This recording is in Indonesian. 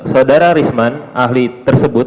saudara rismon ahli tersebut